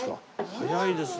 早いですね。